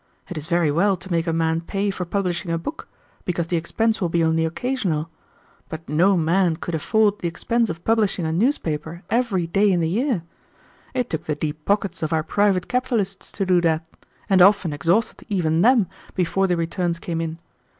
It is very well to make a man pay for publishing a book, because the expense will be only occasional; but no man could afford the expense of publishing a newspaper every day in the year. It took the deep pockets of our private capitalists to do that, and often exhausted even them before the returns came in.